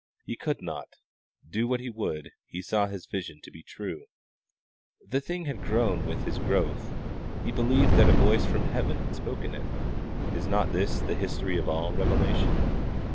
He could not, do what he would; he saw his vision to be true. The thing had grown with his growth; he believed that a voice from heaven had spoken it. Is not this the history of all revelation?